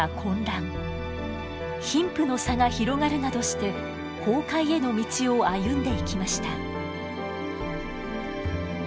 貧富の差が広がるなどして崩壊への道を歩んでいきました。